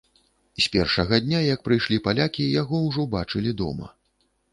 З першага дня, як прыйшлі палякі, яго ўжо бачылі дома.